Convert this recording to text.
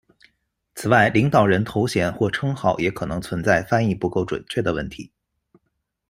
此外领导人头衔或称号也可能存在翻译不够准确的问题。